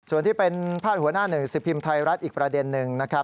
ส่วนที่เป็นพาดหัวหน้าหนึ่งสิบพิมพ์ไทยรัฐอีกประเด็นหนึ่งนะครับ